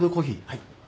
はい。